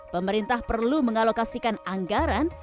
pemerintah perlu mengalokasikan anggaran